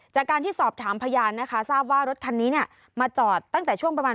จากการที่สอบถามพยานนะคะทราบว่ารถคันนี้เนี่ยมาจอดตั้งแต่ช่วงประมาณ